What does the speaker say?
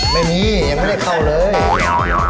ไม่มียังไม่ได้เข้าเลย